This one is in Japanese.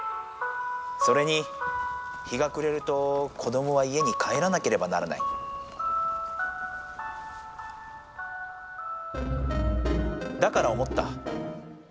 それに日がくれると子どもは家に帰らなければならないだから思った。